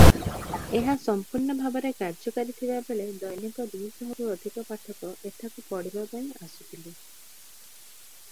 ଏହା ସମ୍ପୂର୍ଣ୍ଣ ଭାବରେ କାର୍ଯ୍ୟକାରୀ ଥିବା ବେଳେ ଦୈନିକ ଦୁଇ ଶହରୁ ଅଧିକ ପାଠକ ଏଠାକୁ ପଢ଼ିବା ପାଇଁ ଆସୁଥିଲେ ।